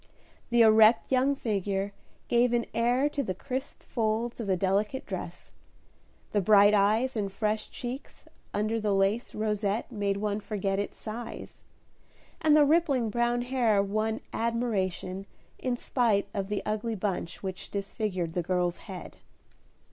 The erect young figure gave an air to the crisp folds of the delicate dress; the bright eyes and fresh cheeks under the lace rosette made one forget its size; and the rippling brown hair won admiration in spite of the ugly bunch which disfigured the girl's head.